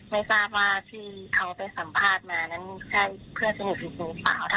ไม่จริงเลยค่ะ